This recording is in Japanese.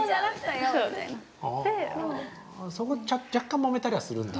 そこ若干もめたりはするんだ。